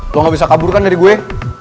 lo gak bisa kaburkan dari gue